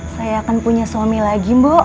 saya akan punya suami lagi bu